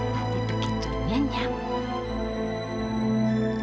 nanti begitu dia nyamuk